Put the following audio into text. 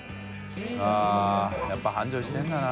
やっぱり繁盛してるんだな